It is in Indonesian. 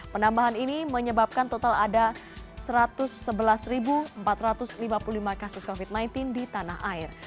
penambahan ini menyebabkan total ada satu ratus sebelas empat ratus lima puluh lima kasus covid sembilan belas di tanah air